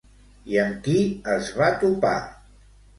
I amb qui es va topar?